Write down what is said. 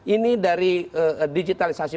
ini dari digitalisasi